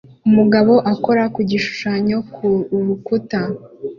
Umugabo akora ku gishushanyo ku rukuta